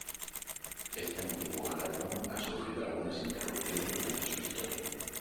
Este antiguo galardón ha sufrido algunas interrupciones durante su historia.